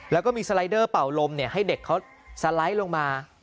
แล้วก็มีสไลเดอร์เป่าลมให้เด็กเขาสไลด์ลงมา